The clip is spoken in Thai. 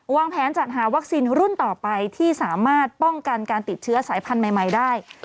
วางแผนจัดหาวัคซีนรุ่นต่อไปที่สามารถป้องกันการติดเชื้อสายพันธุ์ใหม่ได้